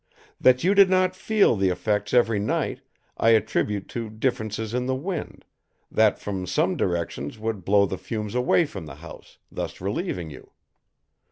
That you did not feel the effects every night I attribute to differences in the wind, that from some directions would blow the fumes away from the house, thus relieving you.